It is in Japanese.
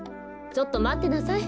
ちょっとまってなさい。